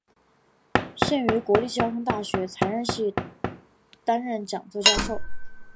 现于国立交通大学材料系担任讲座教授。